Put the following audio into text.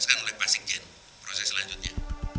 diselesaikan oleh pasik gen proses selanjutnya